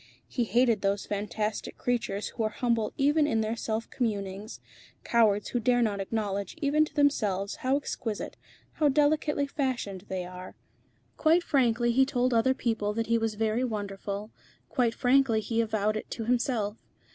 He hated those fantastic creatures who are humble even in their self communings, cowards who dare not acknowledge even to themselves how exquisite, how delicately fashioned they are. Quite frankly he told other people that he was very wonderful, quite frankly he avowed it to himself.